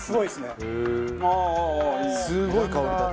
すごい香り立つ。